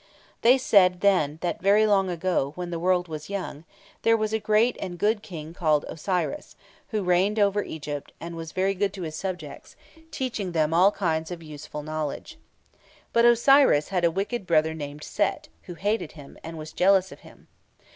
They said, then, that very long ago, when the world was young, there was a great and good King called Osiris, who reigned over Egypt, and was very good to his subjects, teaching them all kinds of useful knowledge. But Osiris had a wicked brother named Set, who hated him, and was jealous of him.